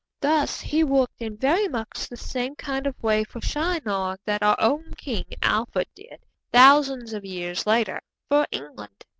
Thus he worked in very much the same kind of way for Shinar that our own King Alfred did, thousands of years later, for England.